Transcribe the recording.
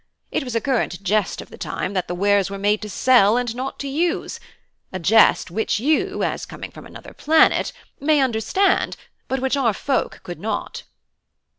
It was a current jest of the time that the wares were made to sell and not to use; a jest which you, as coming from another planet, may understand, but which our folk could not."